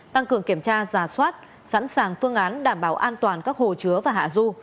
tăng cường kiểm tra giả soát sẵn sàng phương án đảm bảo an toàn các hồ chứa và hạ du